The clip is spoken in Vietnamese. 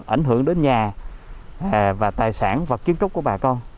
ảnh hưởng đến nhà và tài sản và kiến trúc của bà con